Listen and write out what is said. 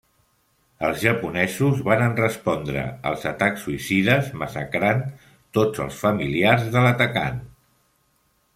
Els japonesos varen respondre als atacs suïcides massacrant tots els familiars de l'atacant.